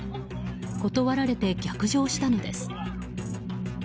断られて逆上したのです。